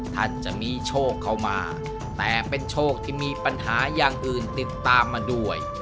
ท่านจะมีโชคเข้ามาแต่เป็นโชคที่มีปัญหาอย่างอื่นติดตามมาด้วย